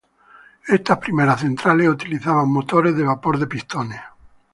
Estas primeras centrales utilizaban motores de vapor de pistones.